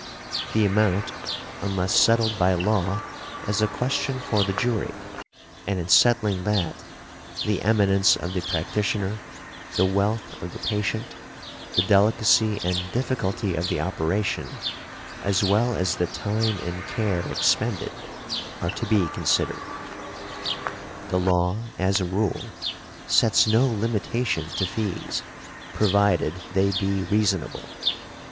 The amount, unless settled by law, is a question for the jury, and in settling that, the eminence of the practitioner, the wealth of the patient, the delicacy and difficulty of the operation, as well as the time and care expended, are to be considered . The law, as a rule, sets no limitation to fees, provided they be reasonable.